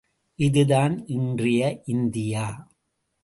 இது தான் இன்றைய இந்தியா?